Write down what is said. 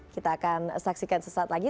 kita akan saksikan sesaat lagi